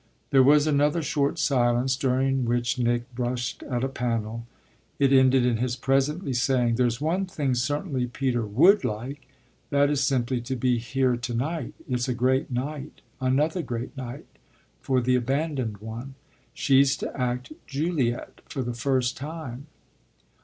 There was another short silence, during which Nick brushed at a panel. It ended in his presently saying: "There's one thing certainly Peter would like that is simply to be here to night. It's a great night another great night for the abandoned one. She's to act Juliet for the first time."